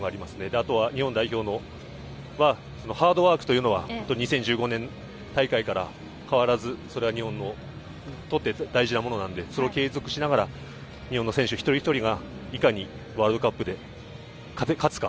あとは、日本代表は、ハードワークというのは２０１５年大会から変わらず、それは日本にとって大事なことなんで、それを継続しながら日本の選手一人一人がいかにワールドカップで勝つか。